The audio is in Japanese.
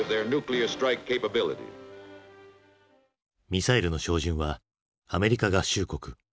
ミサイルの照準はアメリカ合衆国。